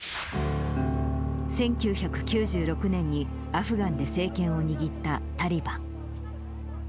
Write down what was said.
１９９６年にアフガンで政権を握ったタリバン。